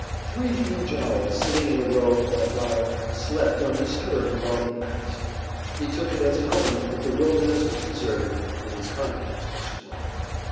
Three huge owls sitting in a row on a bough slept undisturbed while he passed. He took it as an omen that the wilderness was deserted, and his confidence was strong.